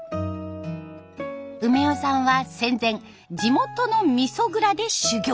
梅雄さんは戦前地元のみそ蔵で修業。